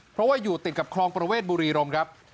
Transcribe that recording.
เพราะว่าอยู่ติดกับคลองประเวทบุรีรมครับ